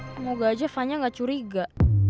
semoga aja fanya gak curiga